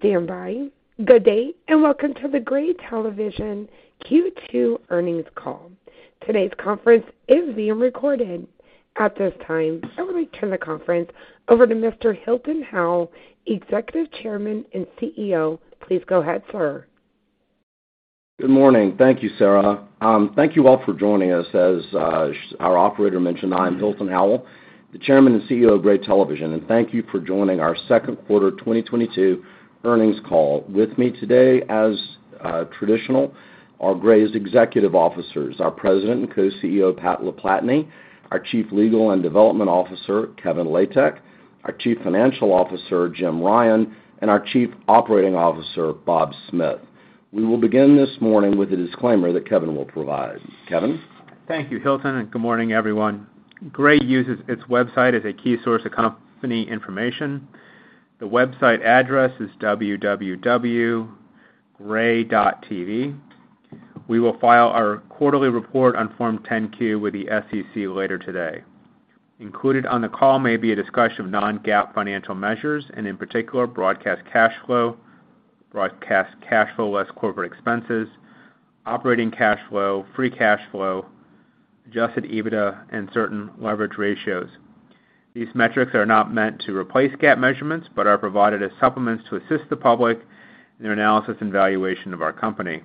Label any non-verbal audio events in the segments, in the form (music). Please stand by. Good day, and welcome to the Gray Television Q2 Earnings Call. Today's conference is being recorded. At this time, I will turn the conference over to Mr. Hilton Howell, Executive Chairman and CEO. Please go ahead, sir. Good morning. Thank you, Sarah. Thank you all for joining us. As our operator mentioned, I'm Hilton Howell, the Chairman and CEO of Gray Television. Thank you for joining our second quarter 2022 earnings call. With me today, as traditional, are Gray's executive officers, our President and Co-CEO, Pat LaPlatney, our Chief Legal and Development Officer, Kevin Latek, our Chief Financial Officer, Jim Ryan, and our Chief Operating Officer, Bob Smith. We will begin this morning with a disclaimer that Kevin will provide. Kevin. Thank you, Hilton, and good morning, everyone. Gray uses its website as a key source of company information. The website address is www.gray.tv. We will file our quarterly report on Form 10-Q with the SEC later today. Included on the call may be a discussion of non-GAAP financial measures, and in particular, broadcast cash flow, broadcast cash flow less corporate expenses, operating cash flow, free cash flow, adjusted EBITDA, and certain leverage ratios. These metrics are not meant to replace GAAP measurements, but are provided as supplements to assist the public in their analysis and valuation of our company.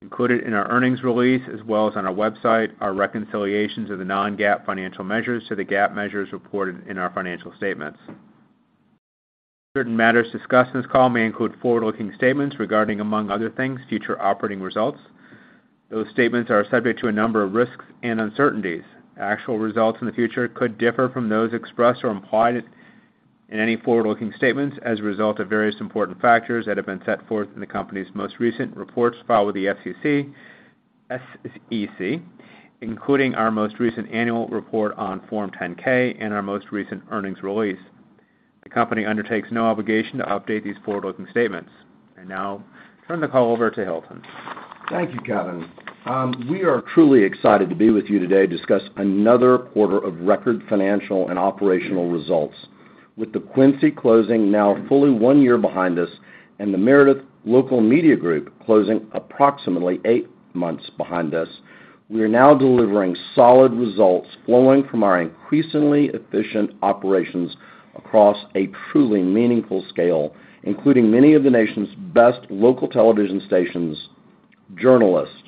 Included in our earnings release, as well as on our website, are reconciliations of the non-GAAP financial measures to the GAAP measures reported in our financial statements. Certain matters discussed in this call may include forward-looking statements regarding, among other things, future operating results. Those statements are subject to a number of risks and uncertainties. Actual results in the future could differ from those expressed or implied in any forward-looking statements as a result of various important factors that have been set forth in the company's most recent reports filed with the SEC, S-E-C, including our most recent annual report on Form 10-K and our most recent earnings release. The company undertakes no obligation to update these forward-looking statements. I now turn the call over to Hilton. Thank you, Kevin. We are truly excited to be with you today to discuss another quarter of record financial and operational results. With the Quincy closing now fully one year behind us and the Meredith Local Media Group closing approximately eight months behind us, we are now delivering solid results flowing from our increasingly efficient operations across a truly meaningful scale, including many of the nation's best local television stations, journalists,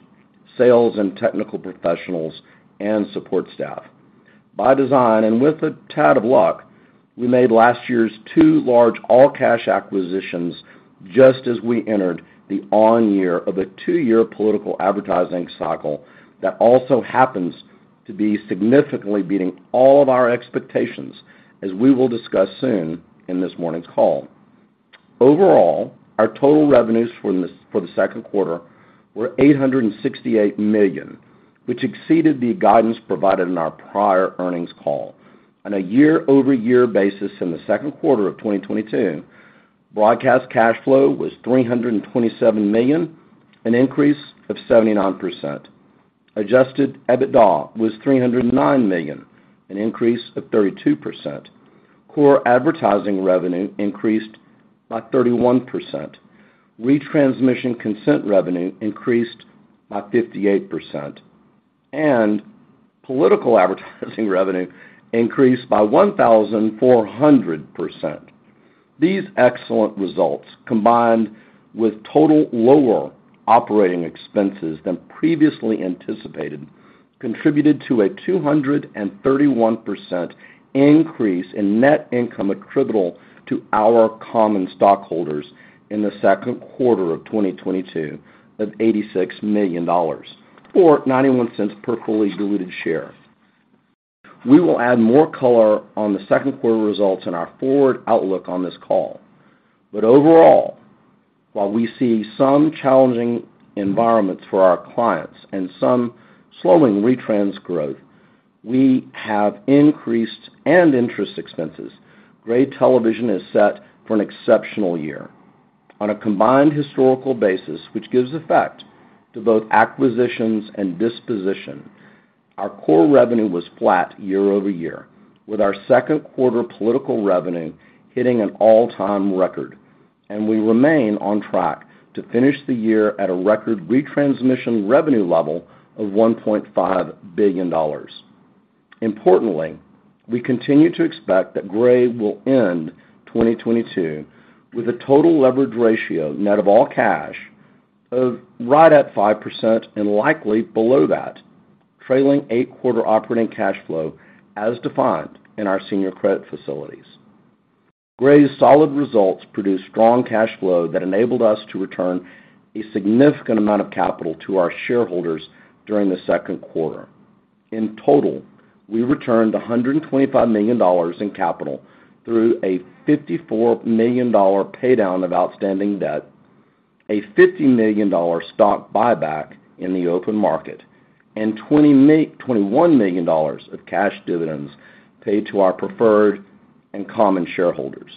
sales and technical professionals, and support staff. By design, and with a tad of luck, we made last year's two large all-cash acquisitions just as we entered the one year of a two-year political advertising cycle that also happens to be significantly beating all of our expectations, as we will discuss soon in this morning's call. Overall, our total revenues for the second quarter were $868 million, which exceeded the guidance provided in our prior earnings call. On a year-over-year basis in the second quarter of 2022, Broadcast Cash Flow was $327 million, an increase of 79%. Adjusted EBITDA was $309 million, an increase of 32%. Core advertising revenue increased by 31%. Retransmission consent revenue increased by 58%. Political advertising revenue increased by 1,400%. These excellent results, combined with total lower operating expenses than previously anticipated, contributed to a 231% increase in net income attributable to our common stockholders in the second quarter of 2022 of $86 million, or $0.91 per fully diluted share. We will add more color on the second quarter results in our forward outlook on this call. Overall, while we see some challenging environments for our clients and some slowing retrans growth and increased interest expenses, Gray Television is set for an exceptional year. On a combined historical basis, which gives effect to both acquisitions and disposition, our core revenue was flat year-over-year, with our second quarter political revenue hitting an all-time record, and we remain on track to finish the year at a record retransmission revenue level of $1.5 billion. Importantly, we continue to expect that Gray will end 2022 with a total leverage ratio net of all cash of right at 5% and likely below that, trailing four-quarter operating cash flow as defined in our senior credit facilities. Gray's solid results produced strong cash flow that enabled us to return a significant amount of capital to our shareholders during the second quarter. In total, we returned $125 million in capital through a $54 million pay down of outstanding debt, a $50 million stock buyback in the open market, and $21 million of cash dividends paid to our preferred and common shareholders.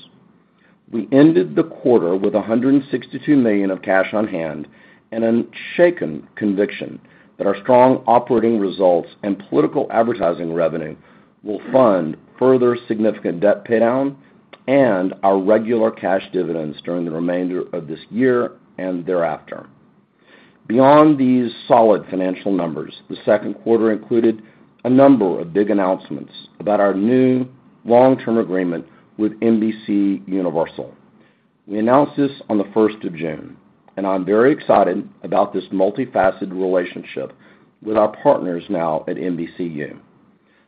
We ended the quarter with $162 million of cash on hand and an unshaken conviction that our strong operating results and political advertising revenue will fund further significant debt paydown and our regular cash dividends during the remainder of this year and thereafter. Beyond these solid financial numbers, the second quarter included a number of big announcements about our new long-term agreement with NBCUniversal. We announced this on the first of June, and I'm very excited about this multifaceted relationship with our partners now at NBCU.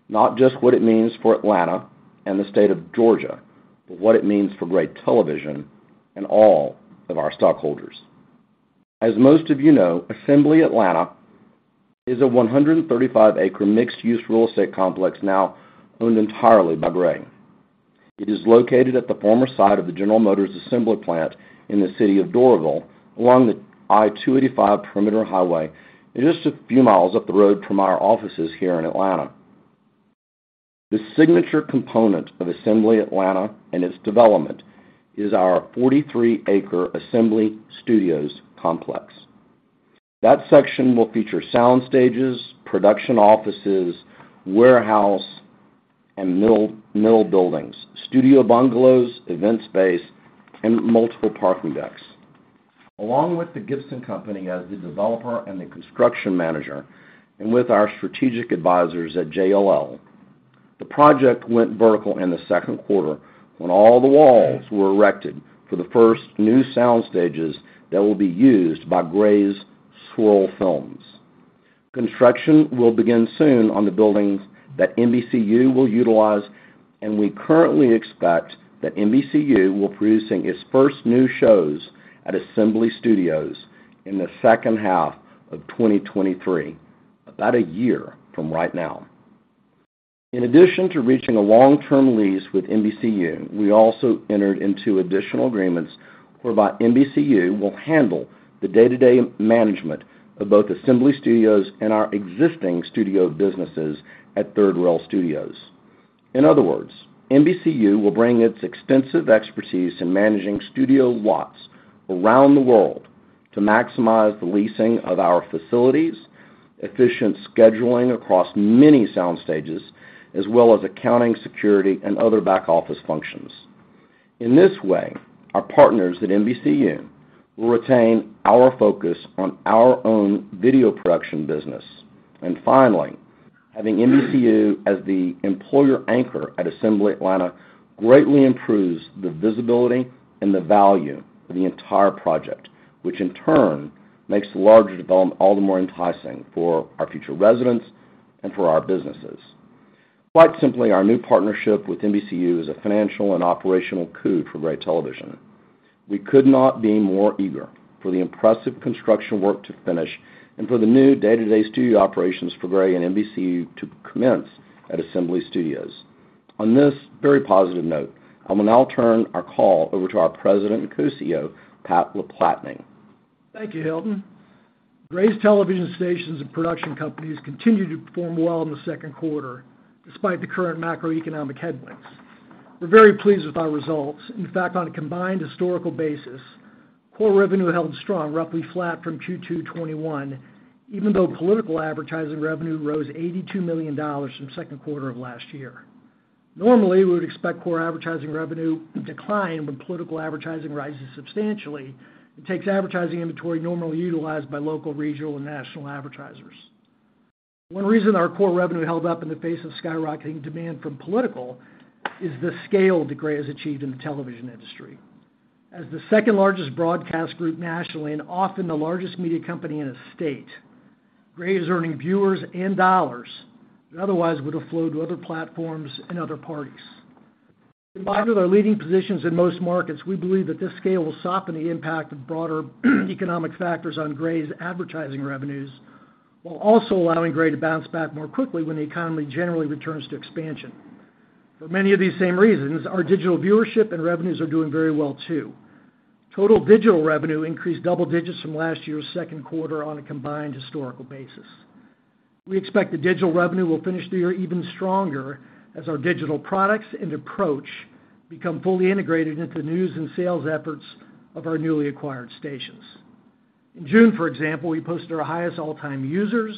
Not just what it means for Atlanta and the state of Georgia, but what it means for Gray Television and all of our stockholders. As most of you know, Assembly Atlanta is a 135-acre mixed-use real estate complex now owned entirely by Gray. It is located at the former site of the General Motors assembly plant in the city of Doraville along the I-285 Perimeter Highway, and just a few miles up the road from our offices here in Atlanta. The signature component of Assembly Atlanta and its development is our 43-acre Assembly Studios complex. That section will feature sound stages, production offices, warehouse and mill buildings, studio bungalows, event space, and multiple parking decks. Along with the Gilbane Company as the developer and the construction manager, and with our strategic advisors at JLL, the project went vertical in the second quarter when all the walls were erected for the first new sound stages that will be used by Gray's Swirl Films. Construction will begin soon on the buildings that NBCU will utilize, and we currently expect that NBCU will be producing its first new shows at Assembly Studios in the second half of 2023, about a year from right now. In addition to reaching a long-term lease with NBCU, we also entered into additional agreements whereby NBCU will handle the day-to-day management of both Assembly Studios and our existing studio businesses at Third Rail Studios. In other words, NBCU will bring its extensive expertise in managing studio lots around the world to maximize the leasing of our facilities, efficient scheduling across many sound stages, as well as accounting, security, and other back office functions. In this way, our partners at NBCU will retain our focus on our own video production business. Finally, having NBCU as the employer anchor at Assembly Atlanta greatly improves the visibility and the value of the entire project, which in turn makes the larger development all the more enticing for our future residents and for our businesses. Quite simply, our new partnership with NBCU is a financial and operational coup for Gray Television. We could not be more eager for the impressive construction work to finish and for the new day-to-day studio operations for Gray and NBCU to commence at Assembly Studios. On this very positive note, I will now turn our call over to our President and Co-CEO, Pat LaPlatney. Thank you, Hilton. Gray's television stations and production companies continued to perform well in the second quarter despite the current macroeconomic headwinds. We're very pleased with our results. In fact, on a combined historical basis, core revenue held strong, roughly flat from Q2 2021, even though political advertising revenue rose $82 million from second quarter of last year. Normally, we would expect core advertising revenue to decline when political advertising rises substantially. It takes advertising inventory normally utilized by local, regional, and national advertisers. One reason our core revenue held up in the face of skyrocketing demand from political is the scale that Gray has achieved in the television industry. As the second largest broadcast group nationally and often the largest media company in a state, Gray is earning viewers and dollars that otherwise would have flowed to other platforms and other parties. In light of our leading positions in most markets, we believe that this scale will soften the impact of broader economic factors on Gray's advertising revenues, while also allowing Gray to bounce back more quickly when the economy generally returns to expansion. For many of these same reasons, our digital viewership and revenues are doing very well too. Total digital revenue increased double digits from last year's second quarter on a combined historical basis. We expect the digital revenue will finish the year even stronger as our digital products and approach become fully integrated into the news and sales efforts of our newly acquired stations. In June, for example, we posted our highest all-time users,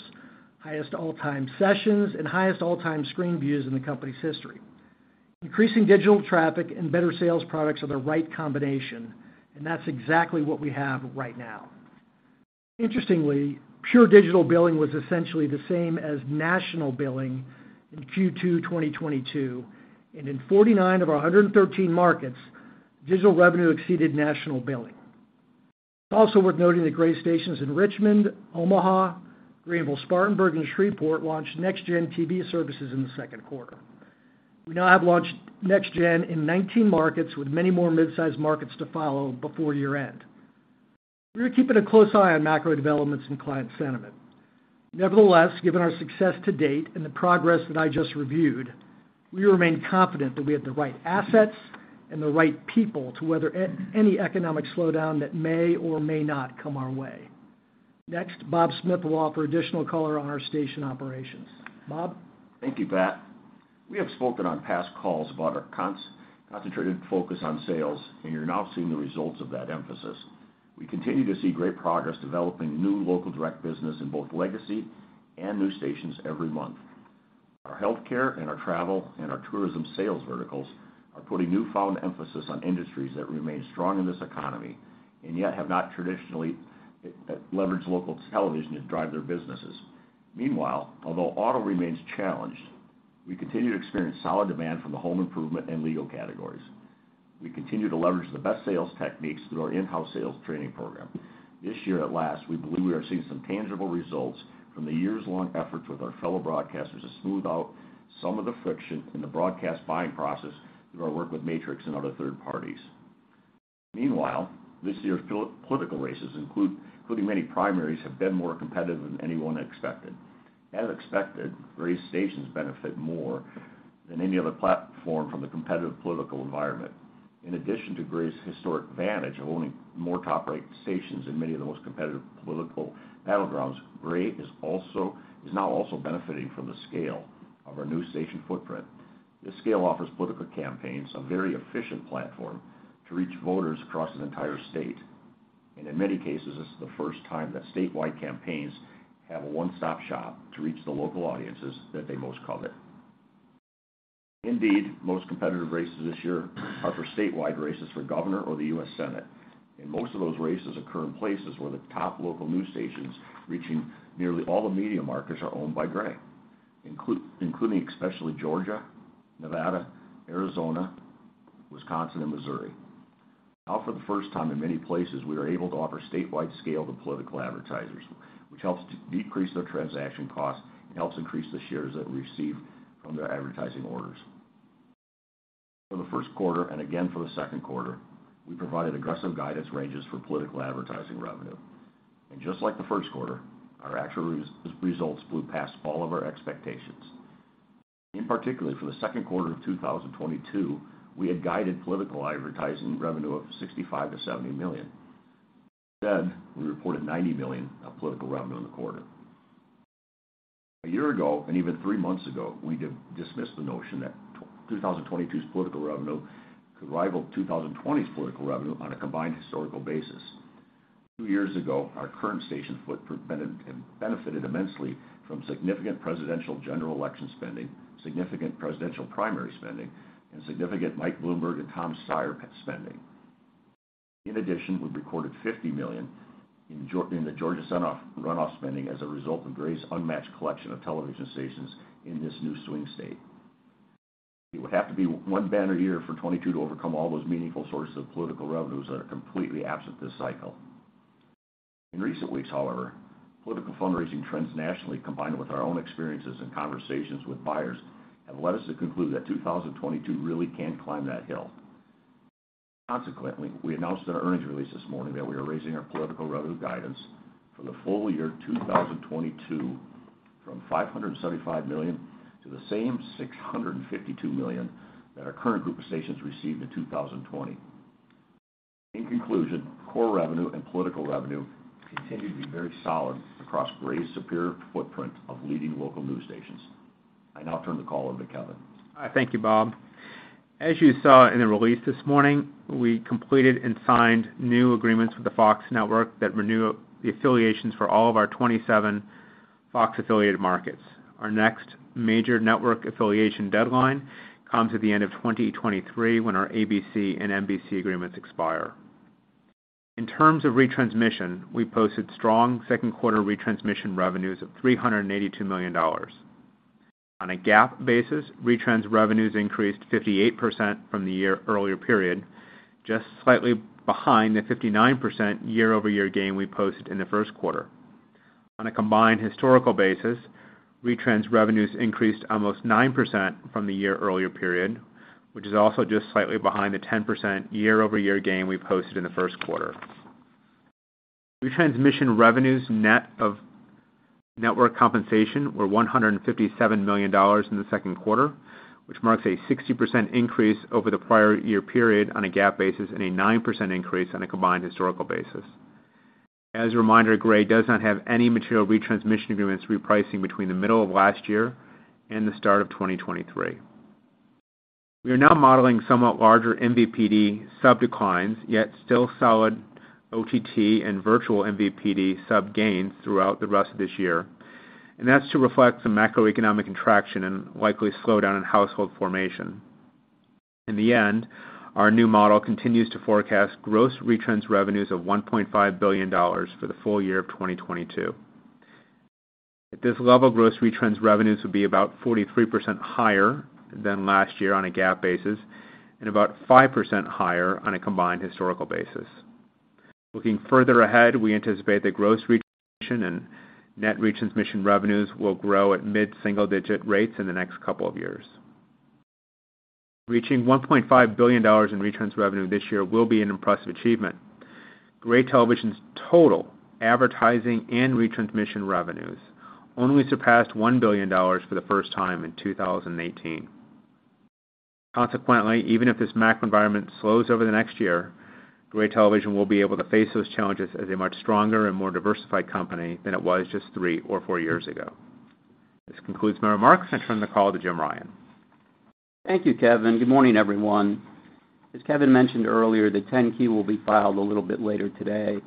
highest all-time sessions, and highest all-time screen views in the company's history. Increasing digital traffic and better sales products are the right combination, and that's exactly what we have right now. Interestingly, pure digital billing was essentially the same as national billing in Q2 2022, and in 49 of our 113 markets, digital revenue exceeded national billing. It's also worth noting that Gray stations in Richmond, Omaha, Greenville, Spartanburg, and Shreveport launched NextGen TV services in the second quarter. We now have launched NextGen in 19 markets with many more mid-sized markets to follow before year-end. We're keeping a close eye on macro developments and client sentiment. Nevertheless, given our success to date and the progress that I just reviewed, we remain confident that we have the right assets and the right people to weather any economic slowdown that may or may not come our way. Next, Bob Smith will offer additional color on our station operations. Bob? Thank you, Pat. We have spoken on past calls about our concentrated focus on sales, and you're now seeing the results of that emphasis. We continue to see great progress developing new local direct business in both legacy and new stations every month. Our healthcare and our travel and our tourism sales verticals are putting newfound emphasis on industries that remain strong in this economy and yet have not traditionally leveraged local television to drive their businesses. Meanwhile, although auto remains challenged, we continue to experience solid demand from the home improvement and legal categories. We continue to leverage the best sales techniques through our in-house sales training program. This year, at last, we believe we are seeing some tangible results from the years-long efforts with our fellow broadcasters to smooth out some of the friction in the broadcast buying process through our work with Matrix and other third parties. Meanwhile, this year's political races, including many primaries, have been more competitive than anyone expected. As expected, Gray stations benefit more than any other platform from the competitive political environment. In addition to Gray's historic advantage of owning more top-rated stations in many of the most competitive political battlegrounds, Gray is now also benefiting from the scale of our new station footprint. This scale offers political campaigns a very efficient platform to reach voters across an entire state. In many cases, this is the first time that statewide campaigns have a one-stop shop to reach the local audiences that they most covet. Indeed, most competitive races this year are for statewide races for governor or the U.S. Senate, and most of those races occur in places where the top local news stations reaching nearly all the media markets are owned by Gray, including especially Georgia, Nevada, Arizona, Wisconsin, and Missouri. Now, for the first time in many places, we are able to offer statewide scale to political advertisers, which helps to decrease their transaction costs and helps increase the shares that we receive from their advertising orders. For the first quarter, and again for the second quarter, we provided aggressive guidance ranges for political advertising revenue. Just like the first quarter, our actual results blew past all of our expectations. In particular, for the second quarter of 2022, we had guided political advertising revenue of $65 million-$70 million. Instead, we reported $90 million of political revenue in the quarter. A year ago, and even three months ago, we dismissed the notion that 2022's political revenue could rival 2020's political revenue on a combined historical basis. Two years ago, our current station footprint benefited immensely from significant presidential general election spending, significant presidential primary spending, and significant Mike Bloomberg and Tom Steyer spending. In addition, we recorded $50 million in the Georgia runoff spending as a result of Gray's unmatched collection of television stations in this new swing state. It would have to be one banner year for 2022 to overcome all those meaningful sources of political revenues that are completely absent this cycle. In recent weeks, however, political fundraising trends nationally, combined with our own experiences and conversations with buyers, have led us to conclude that 2022 really can climb that hill. Consequently, we announced in our earnings release this morning that we are raising our political revenue guidance for the full year 2022 from $575 million to the same $652 million that our current group of stations received in 2020. In conclusion, core revenue and political revenue continue to be very solid across Gray's superior footprint of leading local news stations. I now turn the call over to Kevin. Hi. Thank you, Bob. As you saw in the release this morning, we completed and signed new agreements with the Fox network that renew the affiliations for all of our 27 Fox-affiliated markets. Our next major network affiliation deadline comes at the end of 2023, when our ABC and NBC agreements expire. In terms of retransmission, we posted strong second quarter retransmission revenues of $382 million. On a GAAP basis, retrans revenues increased 58% from the year earlier period, just slightly behind the 59% year-over-year gain we posted in the first quarter. On a combined historical basis, retrans revenues increased almost 9% from the year earlier period, which is also just slightly behind the 10% year-over-year gain we posted in the first quarter. Retransmission revenues net of network compensation were $157 million in the second quarter, which marks a 60% increase over the prior year period on a GAAP basis and a 9% increase on a combined historical basis. As a reminder, Gray does not have any material retransmission agreements repricing between the middle of last year and the start of 2023. We are now modeling somewhat larger MVPD sub declines, yet still solid OTT and virtual MVPD sub gains throughout the rest of this year, and that's to reflect some macroeconomic contraction and likely slowdown in household formation. In the end, our new model continues to forecast gross retrans revenues of $1.5 billion for the full year of 2022. At this level, gross retrans revenues will be about 43% higher than last year on a GAAP basis and about 5% higher on a combined historical basis. Looking further ahead, we anticipate that gross retransmission and net retransmission revenues will grow at mid-single digit rates in the next couple of years. Reaching $1.5 billion in retrans revenue this year will be an impressive achievement. Gray Television's total advertising and retransmission revenues only surpassed $1 billion for the first time in 2018. Consequently, even if this macro environment slows over the next year, Gray Television will be able to face those challenges as a much stronger and more diversified company than it was just three or four years ago. This concludes my remarks, and I turn the call to Jim Ryan. Thank you, Kevin. Good morning, everyone. As Kevin mentioned earlier, the 10-Q will be filed a little bit later today.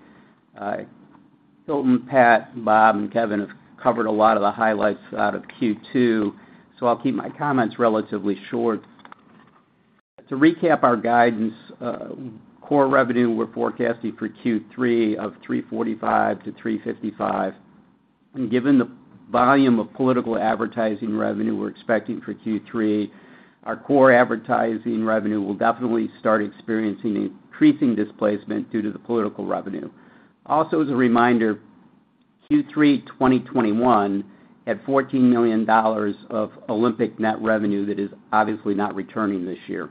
Hilton, Pat, Bob, and Kevin have covered a lot of the highlights out of Q2, so I'll keep my comments relatively short. To recap our guidance, core revenue, we're forecasting for Q3 of $345 million-$355 million. Given the volume of political advertising revenue we're expecting for Q3, our core advertising revenue will definitely start experiencing increasing displacement due to the political revenue. Also, as a reminder, Q3 2021 had $14 million of Olympic net revenue that is obviously not returning this year.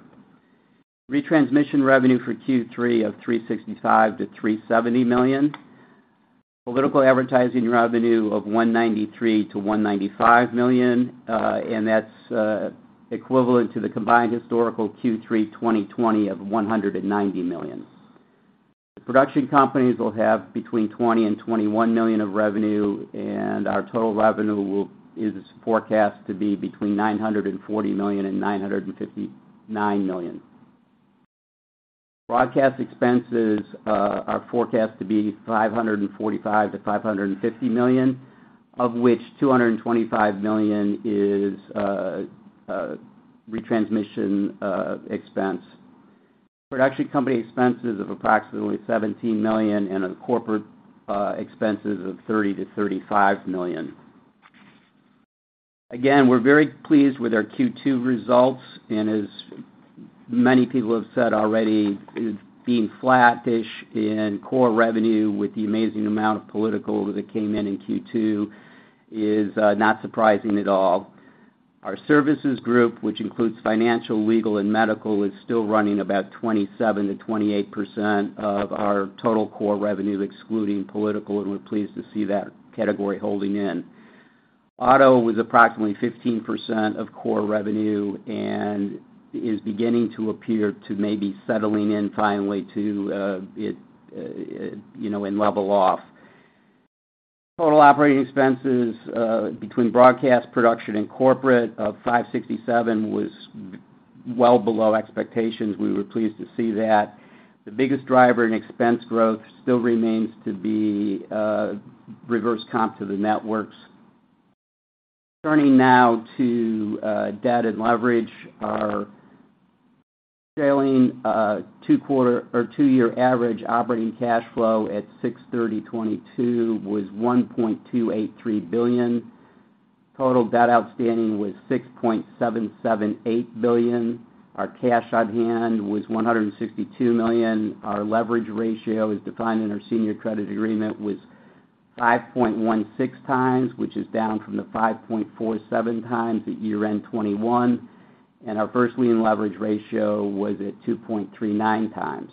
Retransmission revenue for Q3 of $365 million-$370 million. Political advertising revenue of $193 million-$195 million, and that's equivalent to the combined historical Q3 2020 of $190 million. The production companies will have between $20 million and $21 million of revenue, and our total revenue is forecast to be between $940 million and $959 million. Broadcast expenses are forecast to be $545 million-$550 million, of which $225 million is retransmission expense. Production company expenses of approximately $17 million and a corporate expenses of $30 million-$35 million. Again, we're very pleased with our Q2 results, and as many people have said already, being flat-ish in core revenue with the amazing amount of political that came in in Q2 is not surprising at all. Our services group, which includes financial, legal, and medical, is still running about 27%-28% of our total core revenue, excluding political, and we're pleased to see that category holding in. Auto was approximately 15% of core revenue and is beginning to appear to maybe settling in finally to it you know and level off. Total operating expenses between broadcast, production, and corporate of $567 was well below expectations. We were pleased to see that. The biggest driver in expense growth still remains to be reverse comp to the networks. Turning now to debt and leverage. Our trailing two-quarter or two-year average operating cash flow at 06/30/2022 was $1.283 billion. Total debt outstanding was $6.778 billion. Our cash on hand was $162 million. Our leverage ratio, as defined in our senior credit agreement, was 5.16x, which is down from the 5.47x at year-end 2021. Our first lien leverage ratio was at 2.39x.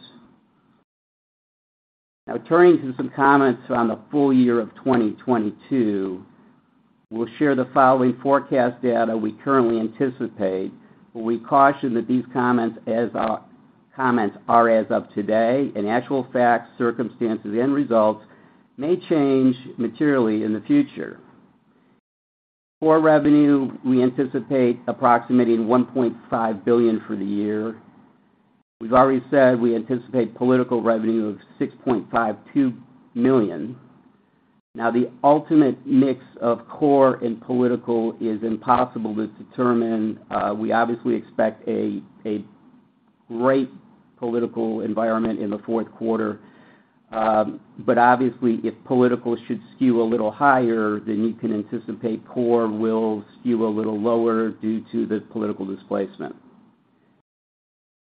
Now turning to some comments on the full year of 2022. We'll share the following forecast data we currently anticipate. We caution that these comments are as of today, and actual facts, circumstances and results may change materially in the future. Core revenue, we anticipate approximating $1.5 billion for the year. We've already said we anticipate political revenue of $6.52 million. Now, the ultimate mix of core and political is impossible to determine. We obviously expect a great political environment in the fourth quarter. But obviously, if political should skew a little higher, then you can anticipate core will skew a little lower due to the political displacement.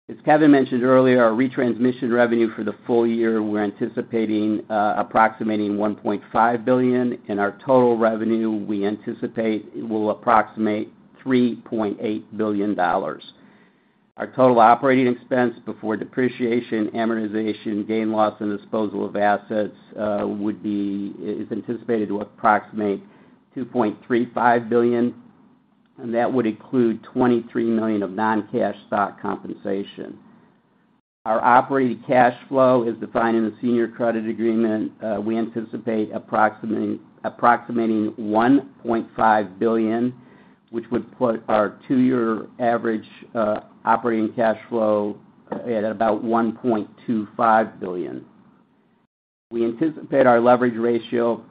As Kevin mentioned earlier, our retransmission revenue for the full year, we're anticipating approximating $1.5 billion, and our total revenue, we anticipate will approximate $3.8 billion. Our total operating expense before depreciation, amortization, gain, loss, and disposal of assets is anticipated to approximate $2.35 billion, and that would include $23 million of non-cash stock compensation. Our operating cash flow, as defined in the senior credit agreement, we anticipate approximating $1.5 billion, which would put our two-year average operating cash flow at about $1.25 billion. We anticipate our leverage ratio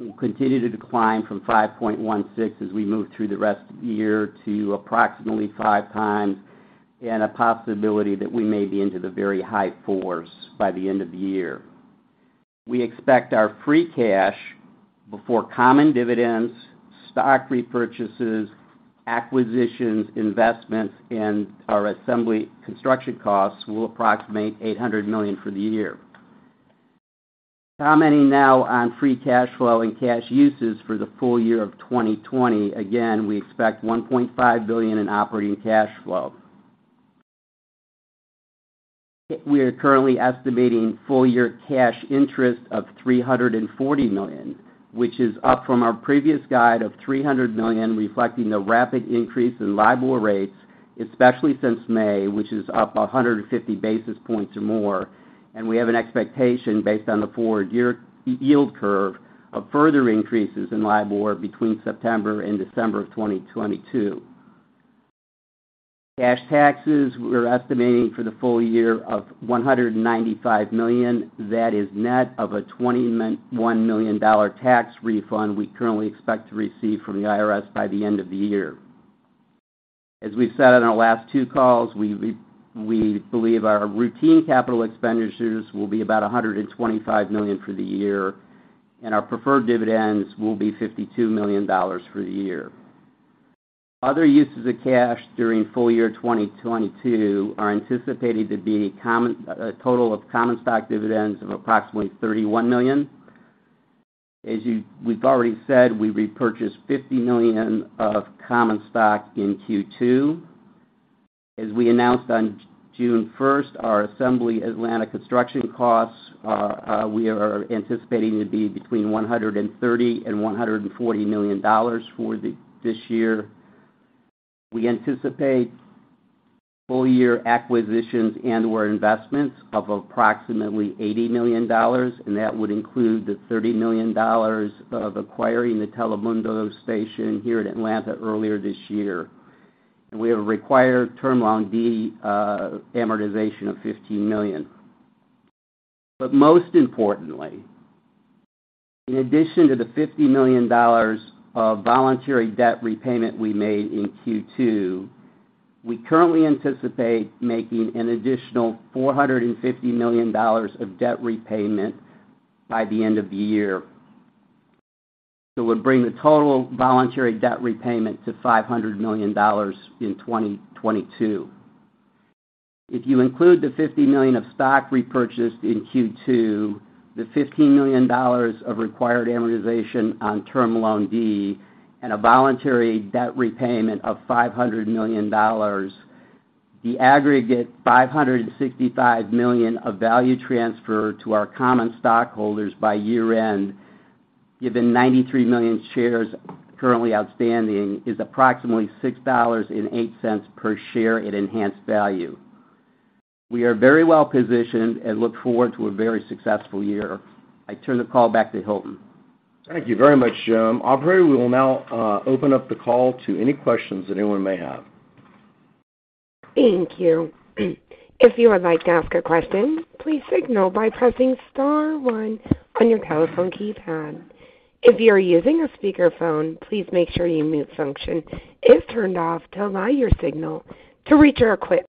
will continue to decline from 5.16 as we move through the rest of the year to approximately 5x, and a possibility that we may be into the very high fours by the end of the year. We expect our free cash before common dividends, stock repurchases, acquisitions, investments, and our assembly construction costs will approximate $800 million for the year. Commenting now on free cash flow and cash uses for the full year of 2020. Again, we expect $1.5 billion in operating cash flow. We are currently estimating full-year cash interest of $340 million, which is up from our previous guide of $300 million, reflecting the rapid increase in LIBOR rates, especially since May, which is up 150 basis points or more. We have an expectation based on the forward yield curve of further increases in LIBOR between September and December of 2022. Cash taxes we're estimating for the full year of $195 million. That is net of a $21 million tax refund we currently expect to receive from the IRS by the end of the year. As we've said on our last two calls, we believe our routine capital expenditures will be about $125 million for the year, and our preferred dividends will be $52 million for the year. Other uses of cash during full year 2022 are anticipated to be a total of common stock dividends of approximately $31 million. We've already said, we repurchased $50 million of common stock in Q2. As we announced on June 1st, our Assembly Atlanta construction costs we are anticipating to be between $130 million and $140 million for this year. We anticipate full year acquisitions and/or investments of approximately $80 million, and that would include the $30 million of acquiring the Telemundo station here in Atlanta earlier this year. We have a required Term Loan D amortization of $15 million. Most importantly, in addition to the $50 million of voluntary debt repayment we made in Q2, we currently anticipate making an additional $450 million of debt repayment by the end of the year. It would bring the total voluntary debt repayment to $500 million in 2022. If you include the $50 million of stock repurchased in Q2, the $15 million of required amortization on Term Loan D, and a voluntary debt repayment of $500 million, the aggregate $565 million of value transfer to our common stockholders by year-end, given 93 million shares currently outstanding, is approximately $6.08 per share in enhanced value. We are very well positioned and look forward to a very successful year. I turn the call back to Hilton. Thank you very much, Jim. Operator, we will now open up the call to any questions anyone may have. Thank you. If you would like to ask a question, please signal by pressing star one on your telephone keypad. If you're using a speaker phone, please make sure your mute function is turned off to allow your signal to reach our equipment.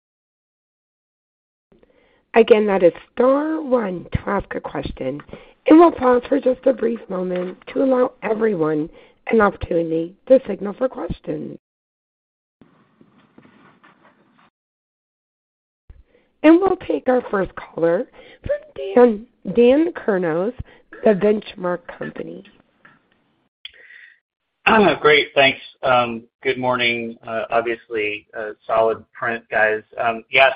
Again, that is star one to ask a question. We'll pause for just a brief moment to allow everyone an opportunity to signal for questions. We'll take our first caller from Dan Kurnos, The Benchmark Company. Great. Thanks. Good morning. Obviously, a solid print, guys. Yes,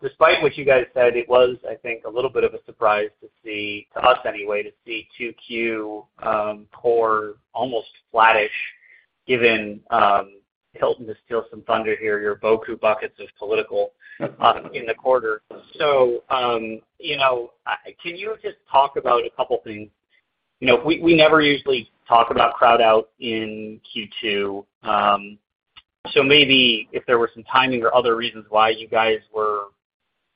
despite what you guys said, it was, I think, a little bit of a surprise to see, to us anyway, to see 2Q core almost flattish, given Hilton to steal some thunder here, your beaucoup buckets of political in the quarter. Can you just talk about a couple things? You know, we never usually talk about crowd out in Q2. Maybe if there were some timing or other reasons why you guys were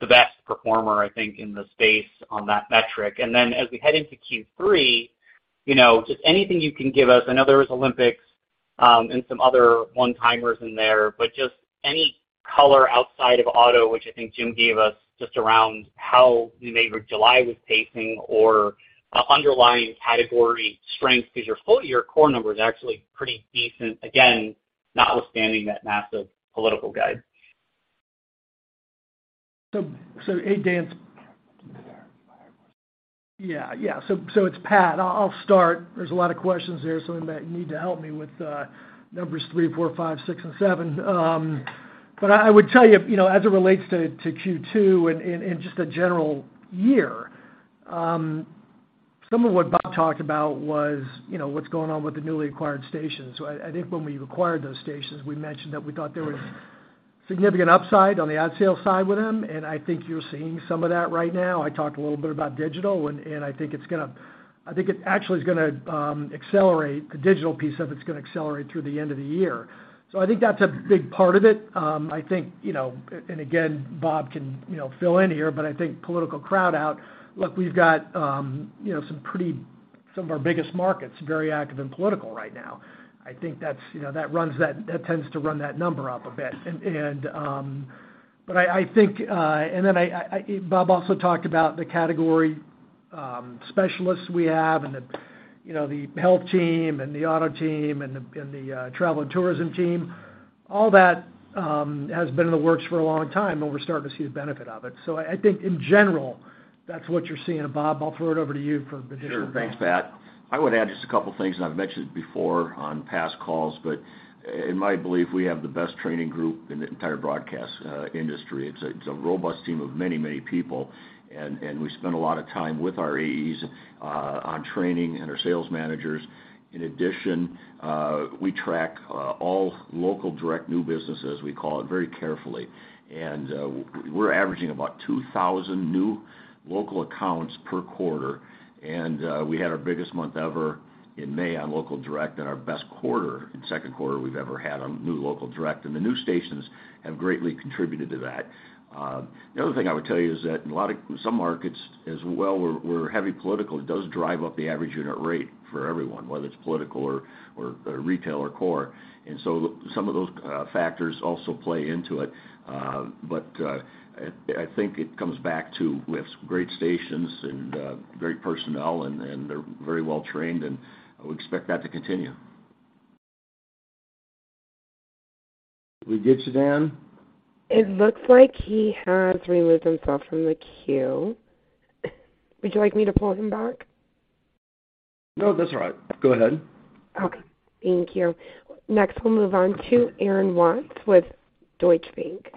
the best performer, I think, in the space on that metric. As we head into Q3, you know, just anything you can give us. I know there was Olympics, and some other one-timers in there, but just any color outside of auto, which I think Jim gave us just around how maybe July was pacing or underlying category strength because your full year core number is actually pretty decent, again, notwithstanding that massive political guide. Hey, Dan. Yeah. It's Pat. I'll start. There's a lot of questions there, so I'm gonna need help with numbers three, four, five, six, and seven. But I would tell you know, as it relates to Q2 and just the general year, some of what Bob talked about was, you know, what's going on with the newly acquired stations. I think when we acquired those stations, we mentioned that we thought there was significant upside on the ad sales side with them, and I think you're seeing some of that right now. I talked a little bit about digital and I think it's actually gonna accelerate the digital piece. It's gonna accelerate through the end of the year. I think that's a big part of it. I think, you know, and again, Bob can, you know, fill in here, but I think political crowd out. Look, we've got, you know, some of our biggest markets, very active in political right now. I think that's, you know, that tends to run that number up a bit. And but I think and then Bob also talked about the category specialists we have and the, you know, the health team and the auto team and the travel and tourism team. All that has been in the works for a long time, and we're starting to see the benefit of it. I think in general, that's what you're seeing. Bob, I'll throw it over to you for additional comments. Sure. Thanks, Pat. I would add just a couple of things, and I've mentioned it before on past calls. In my belief, we have the best training group in the entire broadcast industry. It's a robust team of many, many people, and we spend a lot of time with our AEs on training and our sales managers. In addition, we track all local direct new business, as we call it, very carefully. We're averaging about 2,000 new local accounts per quarter. We had our biggest month ever in May on local direct and our best quarter in second quarter we've ever had on new local direct, and the new stations have greatly contributed to that. The other thing I would tell you is that in some markets as well where we're heavy political, it does drive up the average unit rate for everyone, whether it's political or retail or core. Some of those factors also play into it. I think it comes back to we have some great stations and great personnel and they're very well trained, and we expect that to continue. Did we get you, Dan? It looks like he has removed himself from the queue. Would you like me to pull him back? No, that's all right. Go ahead. Okay, thank you. Next, we'll move on to Aaron Watts with Deutsche Bank.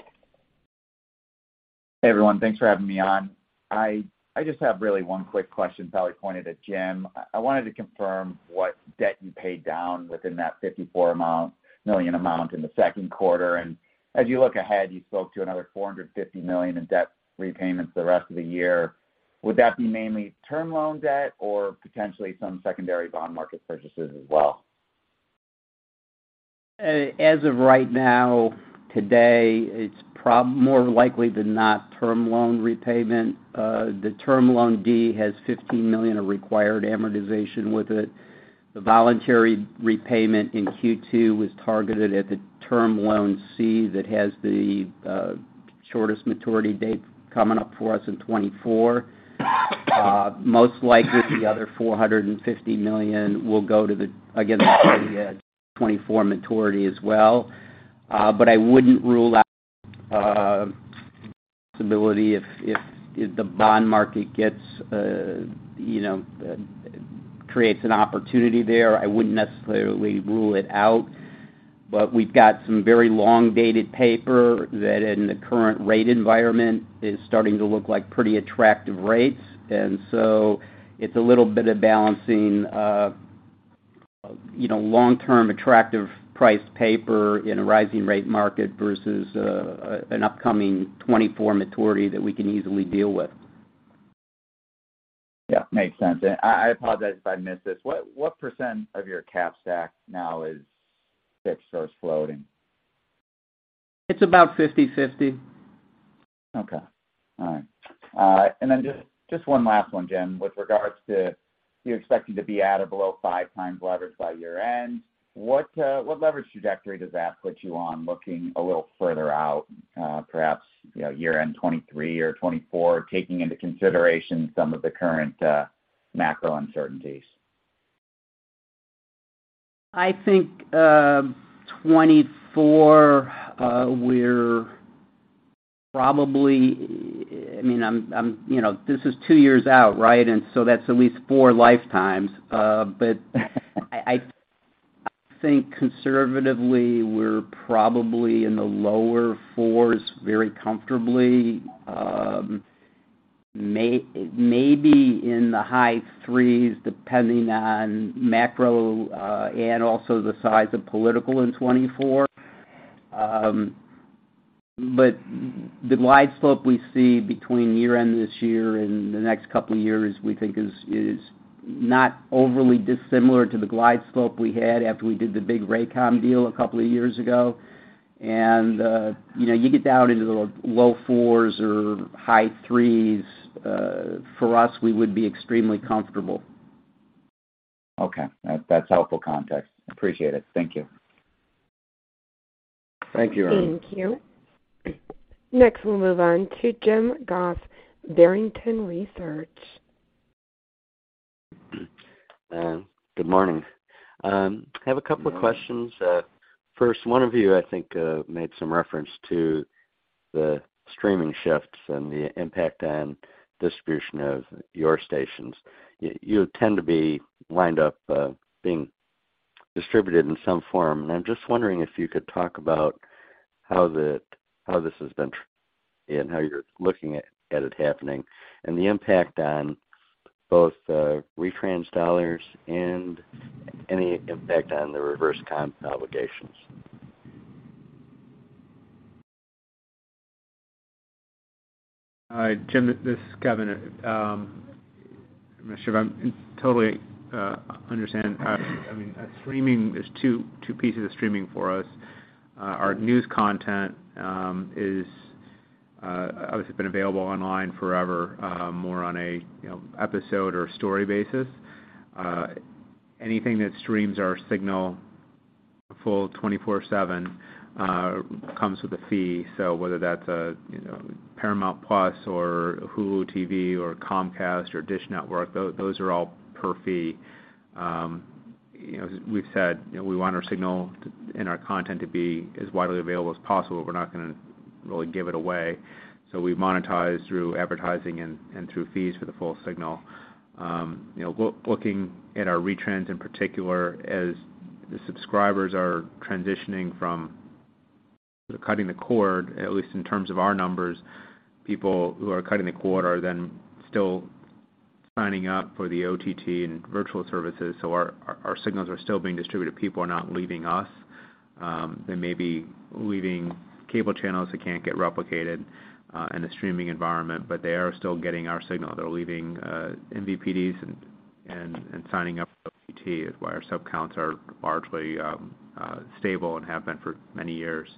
Hey, everyone. Thanks for having me on. I just have really one quick question probably pointed at Jim. I wanted to confirm what debt you paid down within that $54 million amount in the second quarter. As you look ahead, you spoke to another $450 million in debt repayments the rest of the year. Would that be mainly term loan debt or potentially some secondary bond market purchases as well? As of right now, today, it's more likely than not term loan repayment. The Term Loan D has $15 million of required amortization with it. The voluntary repayment in Q2 was targeted at the Term Loan C that has the shortest maturity date coming up for us in 2024. Most likely the other $450 million will go to the 2024 maturity as well. But I wouldn't rule out the possibility if the bond market gets, you know, creates an opportunity there. I wouldn't necessarily rule it out. We've got some very long-dated paper that in the current rate environment is starting to look like pretty attractive rates. It's a little bit of balancing, you know, long-term attractive priced paper in a rising rate market versus an upcoming 2024 maturity that we can easily deal with. Yeah, makes sense. I apologize if I missed this. What % of your cap stack now is fixed versus floating? It's about 50/50. Okay. All right. Just one last one, Jim. With regards to you expecting to be at or below 5x leverage by year-end, what leverage trajectory does that put you on looking a little further out, perhaps, you know, year-end 2023 or 2024, taking into consideration some of the current macro uncertainties? I think 2024, we're probably. I mean, you know, this is two years out, right? That's at least four lifetimes. I think conservatively we're probably in the low fours very comfortably. Maybe in the high threes, depending on macro, and also the size of political in 2024. The glide slope we see between year-end this year and the next couple of years we think is not overly dissimilar to the glide slope we had after we did the big Raycom deal a couple of years ago. You know, you get down into the low fours or high threes, for us, we would be extremely comfortable. Okay. That's helpful context. Appreciate it. Thank you. Thank you, Aaron. Thank you. Next, we'll move on to James Goss, Barrington Research. Good morning. I have a couple of questions. First, one of you I think made some reference to the streaming shifts and the impact on distribution of your stations. You tend to be lined up, being distributed in some form, and I'm just wondering if you could talk about how this has been. Hi, Jim, this is Kevin. I'm not sure if I totally understand. I mean, streaming, there's two pieces of streaming for us. Our news content has obviously been available online forever, more on a you know, episode or story basis. Anything that streams our signal full 24/7 comes with a fee. Whether that's a you know, Paramount+ or Hulu + Live TV or Comcast or DISH Network, those are all pay fee. You know, as we've said, you know, we want our signal and our content to be as widely available as possible. We're not gonna really give it away. We monetize through advertising and through fees for the full signal. You know, looking at our retrans in particular, as the subscribers are transitioning from cutting the cord, at least in terms of our numbers, people who are cutting the cord are then still signing up for the OTT and virtual services. Our signals are still being distributed. People are not leaving us. They may be leaving cable channels that can't get replicated in the streaming environment, but they are still getting our signal. They're leaving MVPDs and signing up for OTT is why our sub counts are largely stable and have been for many years.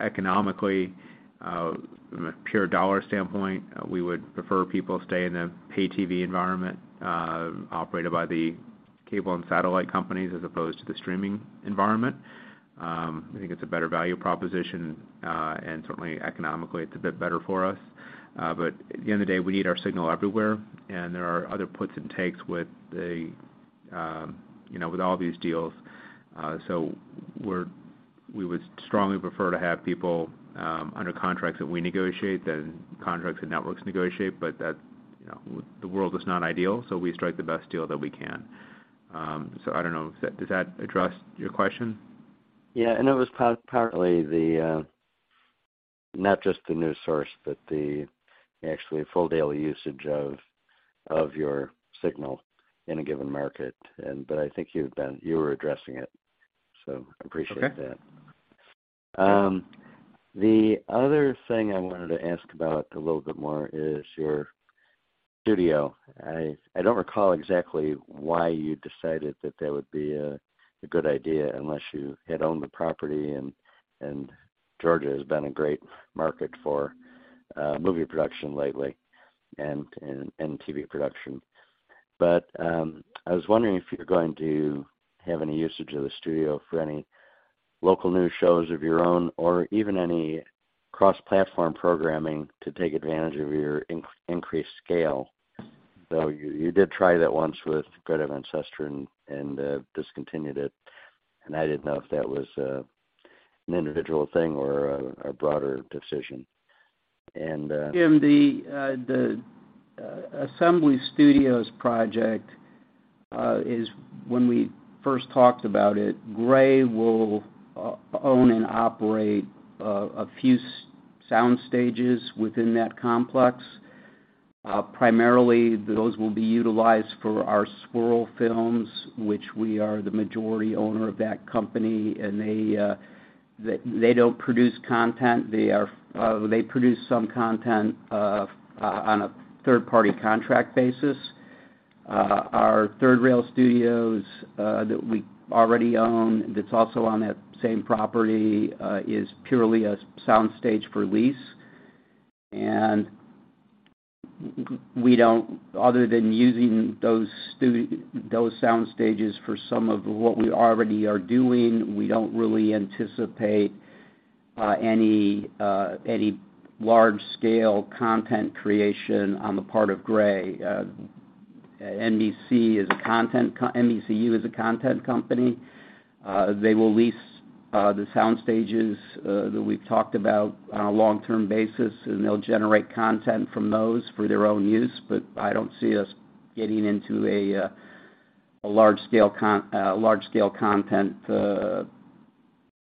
Economically, from a pure dollar standpoint, we would prefer people stay in the pay TV environment operated by the cable and satellite companies as opposed to the streaming environment. I think it's a better value proposition, and certainly economically, it's a bit better for us. At the end of the day, we need our signal everywhere, and there are other puts and takes with, you know, with all these deals. We would strongly prefer to have people under contracts that we negotiate than contracts that networks negotiate, but that, you know, the world is not ideal, so we strike the best deal that we can. I don't know. Does that address your question? Yeah. It was partly, not just the new source, but the actual full daily usage of your signal in a given market. But I think you were addressing it, so appreciate that. Okay. The other thing I wanted to ask about a little bit more is your studio. I don't recall exactly why you decided that would be a good idea unless you had owned the property, and Georgia has been a great market for movie production lately and TV production. I was wondering if you're going to have any usage of the studio for any local news shows of your own or even any cross-platform programming to take advantage of your increased scale. Though you did try that once with (audio distortion) of Ancestor and discontinued it. I didn't know if that was an individual thing or a broader decision. Jim, Assembly Studios project is when we first talked about it, Gray will own and operate a few sound stages within that complex. Primarily those will be utilized for our Swirl Films, which we are the majority owner of that company, and they don't produce content. They produce some content on a third-party contract basis. Our Third Rail Studios that we already own, that's also on that same property, is purely a sound stage for lease. We don't other than using those sound stages for some of what we already are doing, we don't really anticipate any large scale content creation on the part of Gray. NBCU is a content company. They will lease the sound stages that we've talked about on a long-term basis, and they'll generate content from those for their own use, but I don't see us getting into a large scale content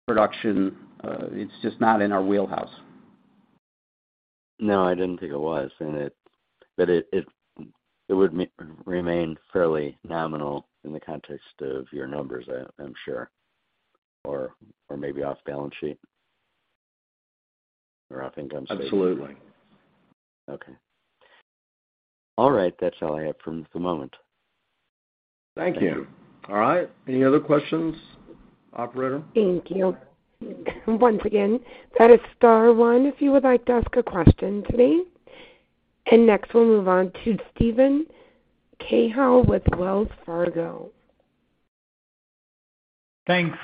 production. It's just not in our wheelhouse. No, I didn't think it was. But it would remain fairly nominal in the context of your numbers, I'm sure, or maybe off balance sheet or off income statement. Absolutely. Okay. All right. That's all I have for the moment. Thank you. All right. Any other questions, operator? Thank you. Once again, that is star one if you would like to ask a question today. Next, we'll move on to Steven Cahall with Wells Fargo. Thanks.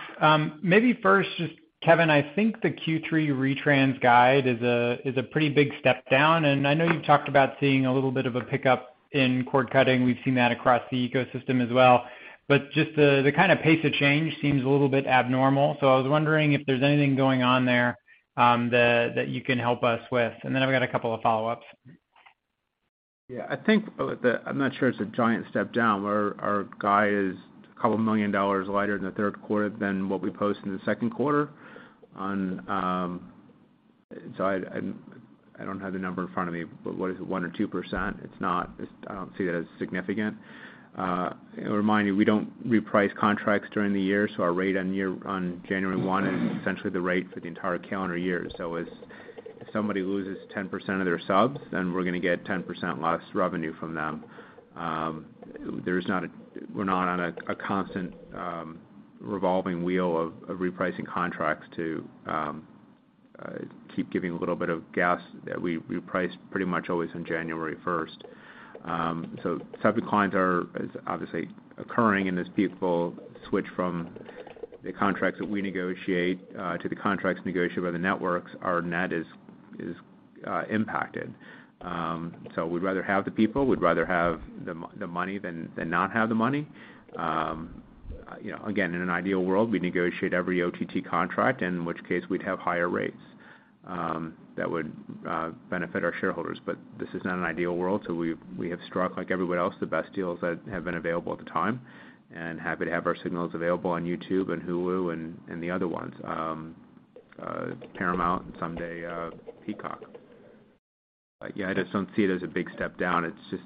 Maybe first, just Kevin, I think the Q3 retrans guide is a pretty big step down, and I know you've talked about seeing a little bit of a pickup in cord cutting. We've seen that across the ecosystem as well. Just the kind of pace of change seems a little bit abnormal. I was wondering if there's anything going on there, that you can help us with. Then I've got a couple of follow-ups. Yeah. I think I'm not sure it's a giant step down, where our guide is $2 million lighter in the third quarter than what we post in the second quarter. I don't have the number in front of me, but what is it, 1% or 2%? It's not. I don't see that as significant. Remind you, we don't reprice contracts during the year, so our rate on year on January 1 is essentially the rate for the entire calendar year. As somebody loses 10% of their subs, then we're gonna get 10% less revenue from them. We're not on a constant revolving wheel of repricing contracts to keep giving a little bit of gas. We price pretty much always on January 1st. The switches are obviously occurring, and as people switch from the contracts that we negotiate to the contracts negotiated by the networks, our net is impacted. We'd rather have the people, we'd rather have the money than not have the money. You know, again, in an ideal world, we negotiate every OTT contract, in which case we'd have higher rates that would benefit our shareholders. This is not an ideal world, so we've struck, like everyone else, the best deals that have been available at the time, and happy to have our signals available on YouTube and Hulu and the other ones. Paramount and someday Peacock. Yeah, I just don't see it as a big step down. It's just,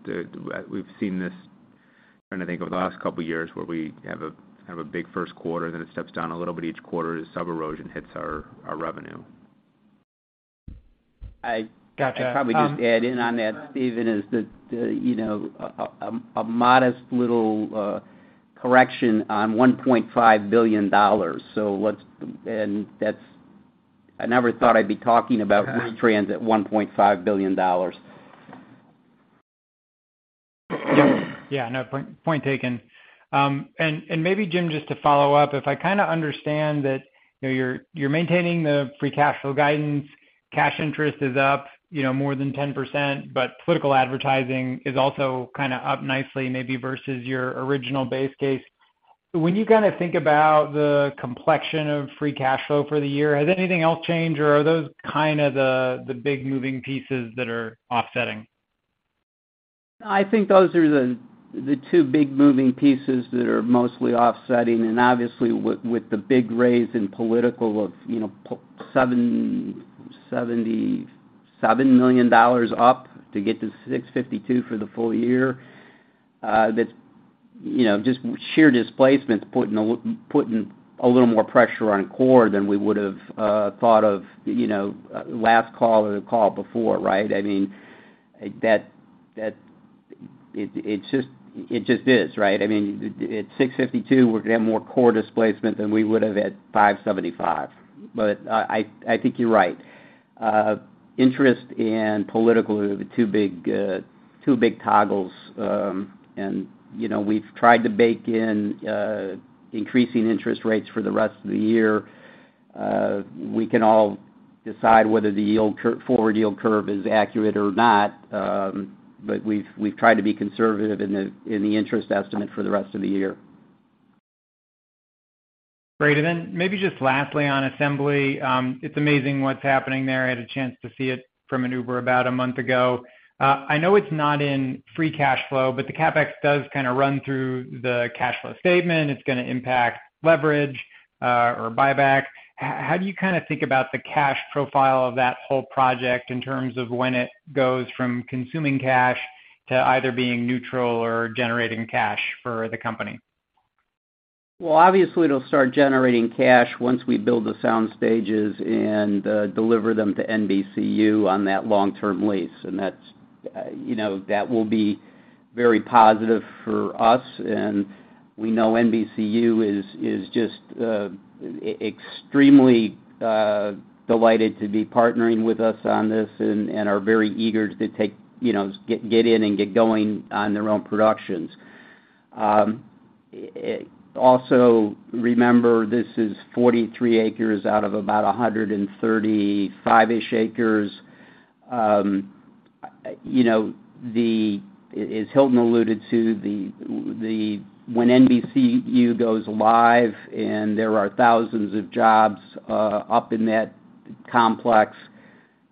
we've seen this, trying to think, over the last couple years where we have a big first quarter, then it steps down a little bit each quarter as sub erosion hits our revenue. I- Gotcha. I'd probably just add in on that, Steven, is that, you know, a modest little correction on $1.5 billion. That's. I never thought I'd be talking about retrans at $1.5 billion. Yeah. No, point taken. Maybe Jim, just to follow up, if I kinda understand that, you know, you're maintaining the free cash flow guidance, cash interest is up, you know, more than 10%, but political advertising is also kinda up nicely maybe versus your original base case. When you kind of think about the complexion of free cash flow for the year, has anything else changed, or are those kind of the big moving pieces that are offsetting? I think those are the two big moving pieces that are mostly offsetting. Obviously with the big raise in political of $77 million up to get to $652 million for the full year, that just sheer displacement's putting a little more pressure on core than we would've thought of last call or the call before, right? I mean, that it just is, right? I mean, at $652, we're gonna have more core displacement than we would've at $575. I think you're right. Interest and political are the two big toggles. We've tried to bake in increasing interest rates for the rest of the year. We can all decide whether the forward yield curve is accurate or not, but we've tried to be conservative in the interest estimate for the rest of the year. Great. Maybe just lastly on Assembly, it's amazing what's happening there. I had a chance to see it from an Uber about a month ago. I know it's not in free cash flow, but the CapEx does kinda run through the cash flow statement. It's gonna impact leverage, or buyback. How do you kinda think about the cash profile of that whole project in terms of when it goes from consuming cash to either being neutral or generating cash for the company? Well, obviously, it'll start generating cash once we build the sound stages and deliver them to NBCU on that long-term lease. That's, you know, that will be very positive for us, and we know NBCU is just extremely delighted to be partnering with us on this and are very eager to take, you know, get in and get going on their own productions. Also remember this is 43 acres out of about 135-ish acres. You know, as Hilton alluded to, when NBCU goes live and there are thousands of jobs up in that complex,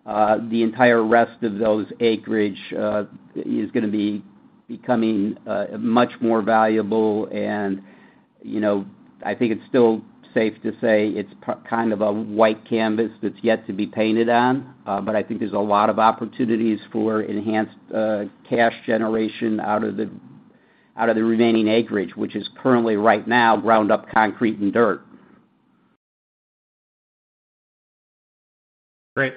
the entire rest of those acreage is gonna be becoming much more valuable and, you know, I think it's still safe to say it's kind of a white canvas that's yet to be painted on. I think there's a lot of opportunities for enhanced cash generation out of the remaining acreage, which is currently right now ground-up concrete and dirt. Great.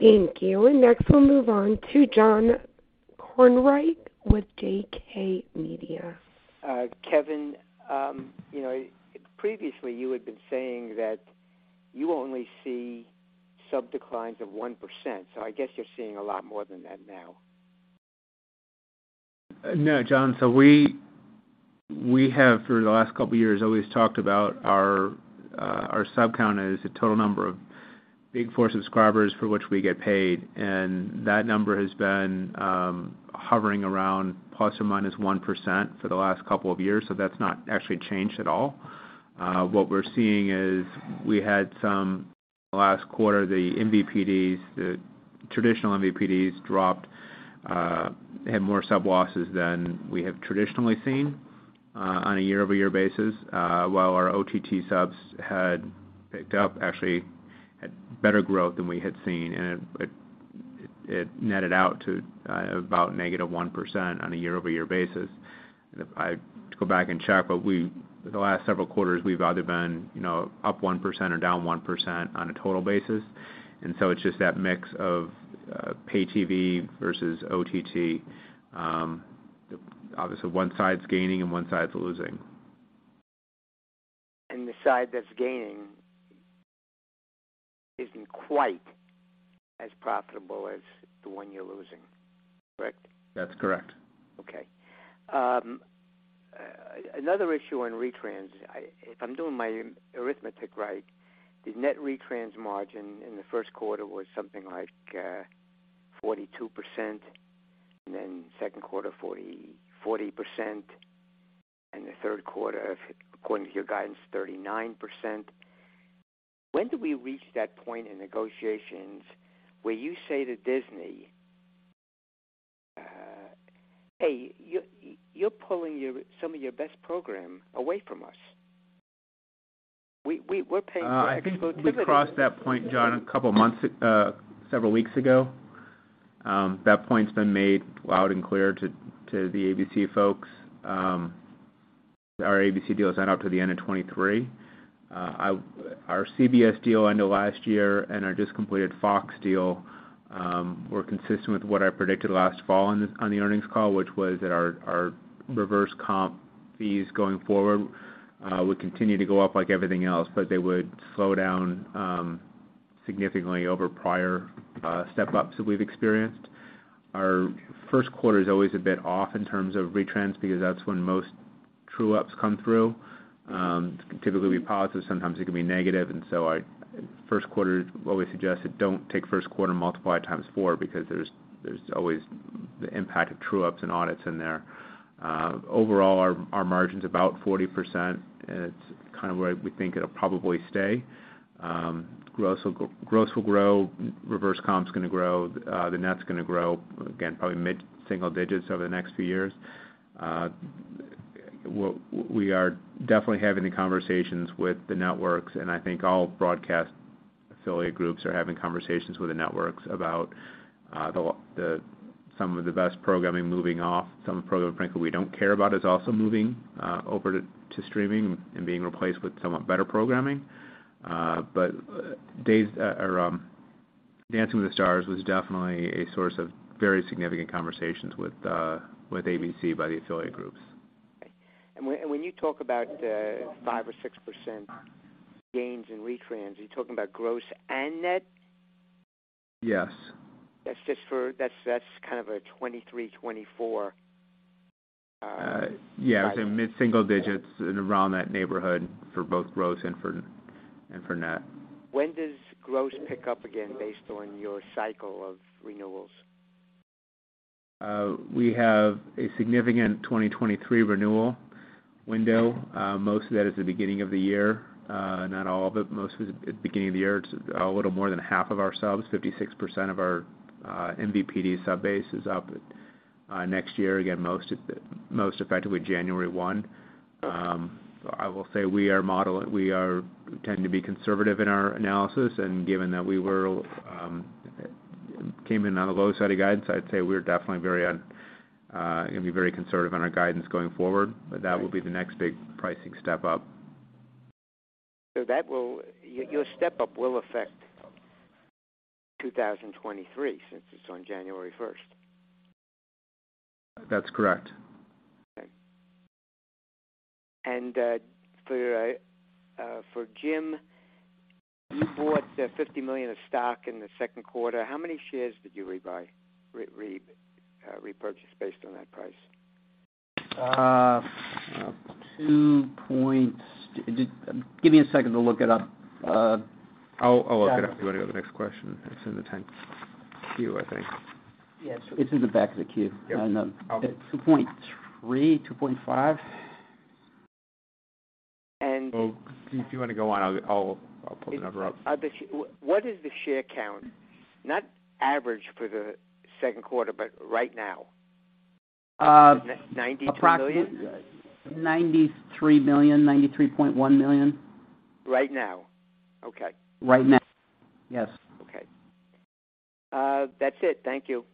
Thank you. Next we'll move on to John Kornreich with JK Media. Kevin, you know, previously you had been saying that you only see sub declines of 1%, so I guess you're seeing a lot more than that now. No, John. We have for the last couple years always talked about our sub count as the total number of big four subscribers for which we get paid. That number has been hovering around ±1% for the last couple of years. That's not actually changed at all. What we're seeing is we had, last quarter, the MVPDs, the traditional MVPDs dropped, had more sub losses than we have traditionally seen on a year-over-year basis. While our OTT subs had picked up, actually had better growth than we had seen. It netted out to about -1% on a year-over-year basis. I'd have to go back and check, but the last several quarters, we've either been, you know, up 1% or down 1% on a total basis. It's just that mix of pay TV versus OTT. Obviously, one side's gaining and one side's losing. The side that's gaining isn't quite as profitable as the one you're losing, correct? That's correct. Okay. Another issue on retrans. If I'm doing my arithmetic right, the net retrans margin in the first quarter was something like 42%, and then second quarter, 40%, and the third quarter, according to your guidance, 39%. When do we reach that point in negotiations where you say to Disney, Hey, you're pulling some of your best programming away from us. We're paying for exclusivity. I think we crossed that point, John, several weeks ago. That point's been made loud and clear to the ABC folks. Our ABC deal is out until the end of 2023. Our CBS deal ended last year, and our just completed Fox deal were consistent with what I predicted last fall on the earnings call, which was that our reverse comp fees going forward would continue to go up like everything else, but they would slow down significantly over prior step-ups that we've experienced. Our first quarter is always a bit off in terms of retrans because that's when most true-ups come through. It can typically be positive, sometimes it can be negative. We always suggested don't take first quarter multiply times four because there's always the impact of true-ups and audits in there. Overall, our margin's about 40%. It's kind of where we think it'll probably stay. Growth will grow. Reverse comp's gonna grow. The net's gonna grow, again, probably mid-single digits over the next few years. We are definitely having the conversations with the networks, and I think all broadcast affiliate groups are having conversations with the networks about some of the best programming moving off. Some programming, frankly, we don't care about is also moving over to streaming and being replaced with somewhat better programming. Dancing with the Stars was definitely a source of very significant conversations with ABC by the affiliate groups. When you talk about 5% or 6% gains in retrans, are you talking about gross and net? Yes. That's kind of a 2023-2024 guidance. Mid-single digits and around that neighborhood for both gross and for net. When does gross pick up again based on your cycle of renewals? We have a significant 2023 renewal window. Most of that is the beginning of the year. Not all of it. Most of it is beginning of the year. It's a little more than half of our subs. 56% of our MVPD subbase is up next year. Again, most effectively January 1. I will say we tend to be conservative in our analysis, and given that we came in on the low side of guidance, I'd say we're definitely very gonna be very conservative on our guidance going forward. But that will be the next big pricing step up. Your step up will affect 2023 since it's on January 1st. That's correct. For Jim, you bought the $50 million of stock in the second quarter. How many shares did you repurchase based on that price? Just give me a second to look it up. I'll look it up if you want to go to the next question. It's in the 10-Q, I think. Yes, it's in the back of the queue. Yep. And, um, 2.3, 2.5. And- Well, if you wanna go on, I'll put the number up. What is the share count? Not average for the second quarter, but right now. 92 million. Approximately $93 million, $93.1 million. Right now? Okay. Right now. Yes. Okay. That's it. Thank you.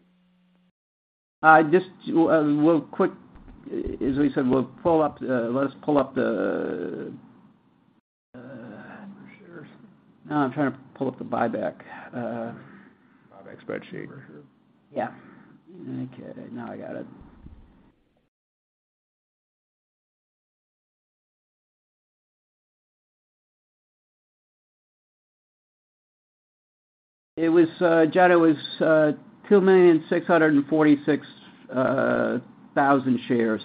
Just well, quick, as we said, we'll pull up, no, I'm trying to pull up the buyback. Buyback spreadsheet for sure. Yeah. Okay, now I got it. It was, John, 2,646,000 shares.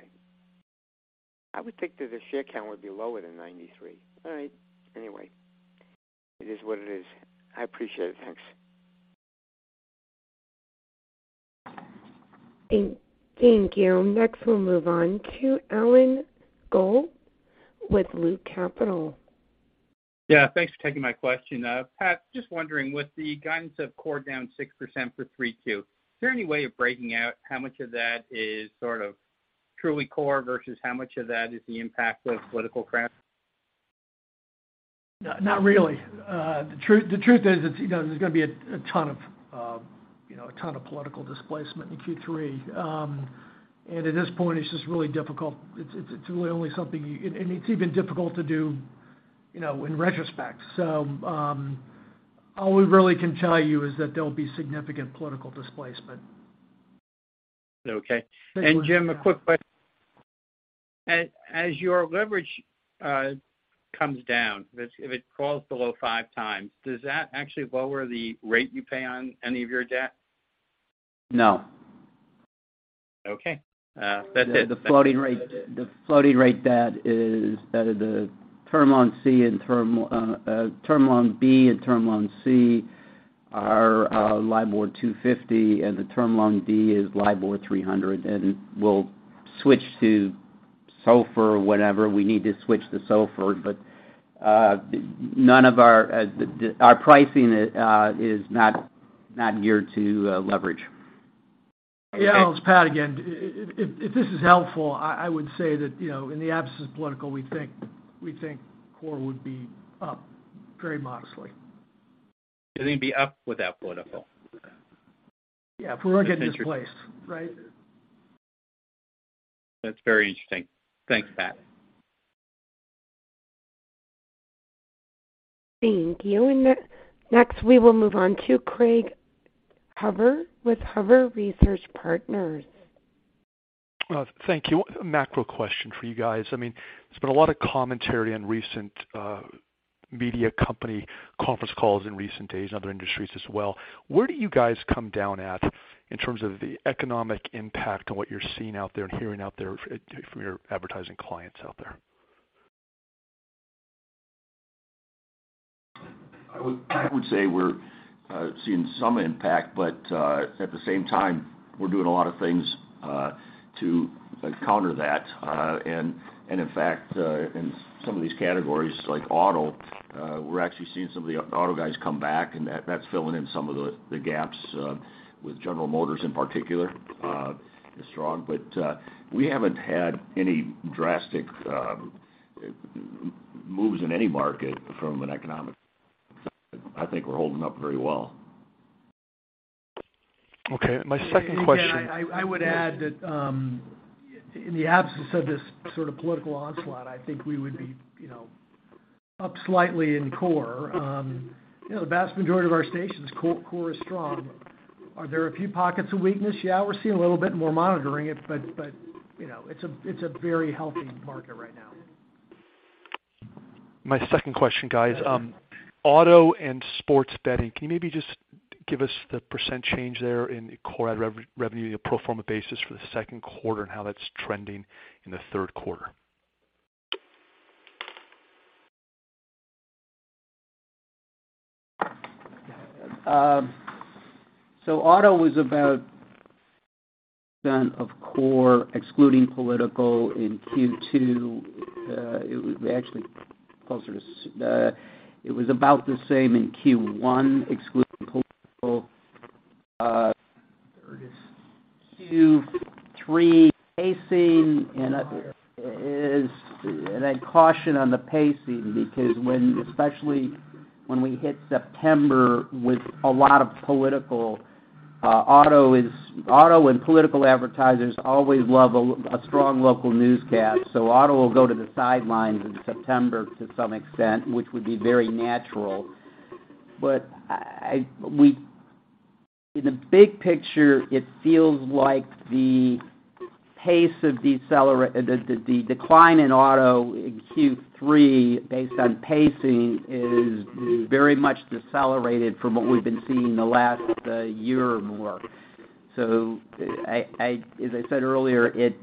Okay. I would think that the share count would be lower than 93. All right. Anyway, it is what it is. I appreciate it. Thanks. Thank you. Next, we'll move on to Alan Gould with Loop Capital. Yeah, thanks for taking my question. Pat, just wondering, with the guidance of core down 6% for 3Q, is there any way of breaking out how much of that is sort of truly core versus how much of that is the impact of political ads? Not really. The truth is, it's, you know, there's gonna be a ton of, you know, a ton of political displacement in Q3. At this point, it's just really difficult. It's really only something, and it's even difficult to do, you know, in retrospect. All we really can tell you is that there'll be significant political displacement. Okay. Thanks for Jim, a quick question. As your leverage comes down, if it falls below 5x, does that actually lower the rate you pay on any of your debt? No. Okay. That's it. The floating rate debt is better. The Term Loan B and Term Loan C are LIBOR 250, and the Term Loan D is LIBOR 300. We'll switch to SOFR or whatever. None of our pricing is not geared to leverage. Yeah, it's Pat again. If this is helpful, I would say that, you know, in the absence of political, we think core would be up very modestly. You think it'd be up without political? Yeah, if we weren't getting displaced, right? That's very interesting. Thanks, Pat. Thank you. Next, we will move on to Craig Huber with Huber Research Partners. Thank you. A macro question for you guys. I mean, there's been a lot of commentary on recent media company conference calls in recent days and other industries as well. Where do you guys come down on in terms of the economic impact on what you're seeing out there and hearing out there from your advertising clients out there? I would say we're seeing some impact, but at the same time, we're doing a lot of things to counter that. In fact, in some of these categories like auto, we're actually seeing some of the auto guys come back, and that's filling in some of the gaps with General Motors, in particular, is strong. We haven't had any drastic moves in any market from an economic. I think we're holding up very well. Okay. My second question- I would add that, in the absence of this sort of political onslaught, I think we would be, you know, up slightly in core. You know, the vast majority of our stations, core is strong. Are there a few pockets of weakness? Yeah, we're seeing a little bit more monitoring it, but, you know, it's a very healthy market right now. My second question, guys. Auto and sports betting, can you maybe just give us the percent change there in core ad revenue pro forma basis for the second quarter, and how that's trending in the third quarter? Auto was about down off core, excluding political in Q2. It was actually about the same in Q1, excluding political. Q3 pacing, and I'd caution on the pacing because especially when we hit September with a lot of political, auto and political advertisers always love a strong local newscast. Auto will go to the sidelines in September to some extent, which would be very natural. In the big picture, it feels like the pace of the decline in auto in Q3 based on pacing is very much decelerated from what we've been seeing the last year or more. As I said earlier, it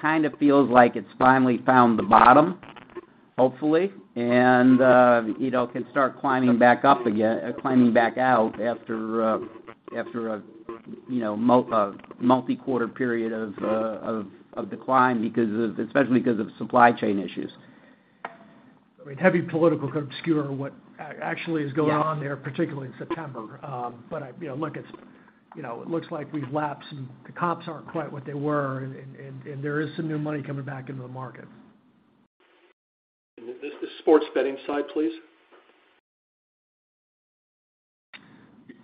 kinda feels like it's finally found the bottom, hopefully. You know, can start climbing back out after you know, a multi-quarter period of decline especially because of supply chain issues. I mean, heavy political could obscure what actually is going on there, particularly in September. You know, look, it's, you know, it looks like we've lapsed and the comps aren't quite what they were, and there is some new money coming back into the market. The sports betting side, please.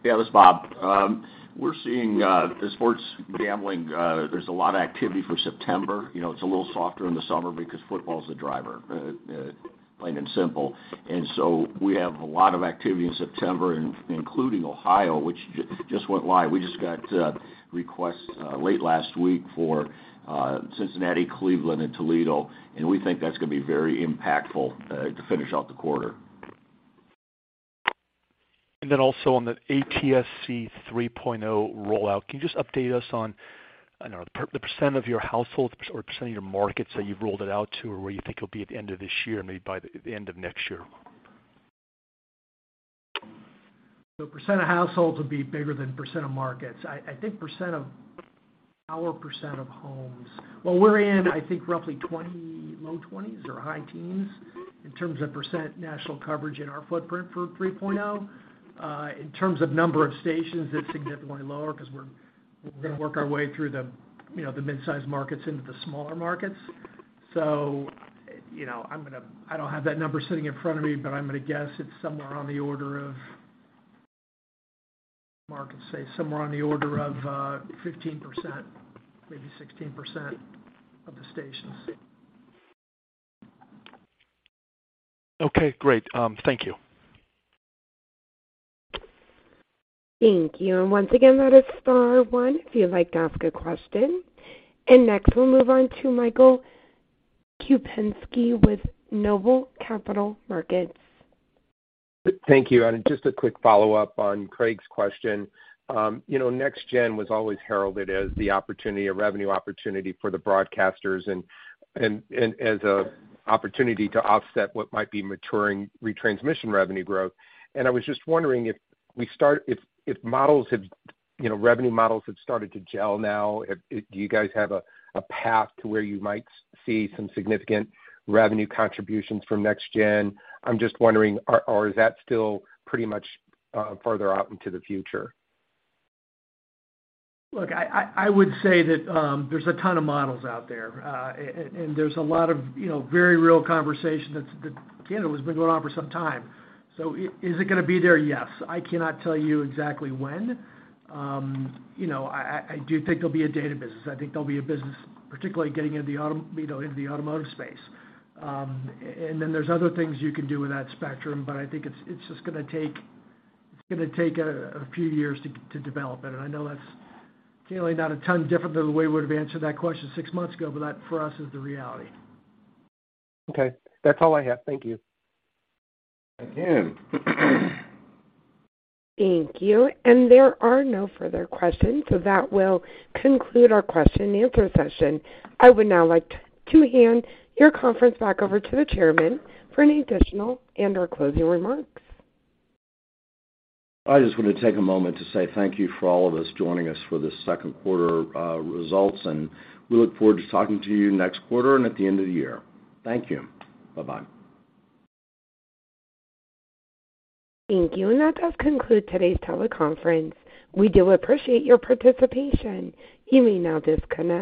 Yeah, this is Bob. We're seeing the sports gambling. There's a lot of activity for September. You know, it's a little softer in the summer because football is the driver, plain and simple. We have a lot of activity in September, including Ohio, which just went live. We just got requests late last week for Cincinnati, Cleveland, and Toledo, and we think that's gonna be very impactful to finish out the quarter. Also on the ATSC 3.0 rollout, can you just update us on, I don't know, the % of your households or % of your markets that you've rolled it out to or where you think you'll be at the end of this year, maybe by the end of next year? Percent of households will be bigger than percent of markets. I think percent of our percent of homes. Well, we're in, I think, roughly 20, low 20s or high teens in terms of percent national coverage in our footprint for 3.0. In terms of number of stations, it's significantly lower 'cause we're gonna work our way through the, you know, the mid-sized markets into the smaller markets. You know, I don't have that number sitting in front of me, but I'm gonna guess it's somewhere on the order of markets, say somewhere on the order of, 15%, maybe 16% of the stations. Okay, great. Thank you. Thank you. Once again, that is star one if you'd like to ask a question. Next, we'll move on to Michael Kupinski with Noble Capital Markets. Thank you. Just a quick follow-up on Craig's question. You know, NextGen was always heralded as the opportunity, a revenue opportunity for the broadcasters and as a opportunity to offset what might be maturing retransmission revenue growth. I was just wondering if models have, you know, revenue models have started to gel now, if do you guys have a path to where you might see some significant revenue contributions from NextGen. I'm just wondering, or is that still pretty much farther out into the future? Look, I would say that, there's a ton of models out there, and there's a lot of, you know, very real conversation that, you know, has been going on for some time. Is it gonna be there? Yes. I cannot tell you exactly when. You know, I do think there'll be a data business. I think there'll be a business, particularly getting into the, you know, into the automotive space. And then there's other things you can do with that spectrum, but I think it's just gonna take a few years to develop. I know that's clearly not a ton different than the way we would have answered that question six months ago, but that for us is the reality. Okay. That's all I have. Thank you. Again. Thank you. There are no further questions, so that will conclude our question and answer session. I would now like to hand your conference back over to the chairman for any additional and our closing remarks. I just wanna take a moment to say thank you for all of us joining us for this second quarter, results, and we look forward to talking to you next quarter and at the end of the year. Thank you. Bye-bye. Thank you. That does conclude today's teleconference. We do appreciate your participation. You may now disconnect.